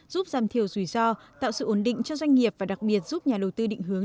giúp giảm thiểu rủi ro tạo sự ổn định cho doanh nghiệp và đặc biệt giúp nhà đầu tư định hướng